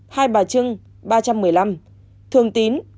hai bà trưng ba trăm một mươi năm